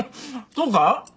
そうか？